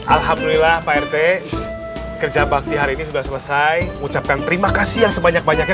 alhamdulillah pak rt kerja bakti hari ini sudah selesai mengucapkan terima kasih yang sebanyak banyaknya